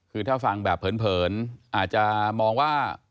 คือถ้าฟังแบบเผินอาจจะมองว่า